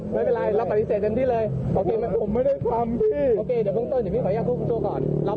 ไม่เป็นไรเราปฏิเสธเต็มที่เลย